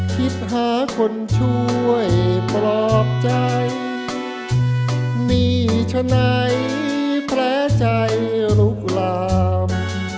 คิดหาคนช่วยปลอบใจมีฉะไหนแผลใจลุกลาม